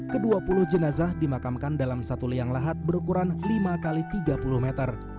ke dua puluh jenazah dimakamkan dalam satu liang lahat berukuran lima x tiga puluh meter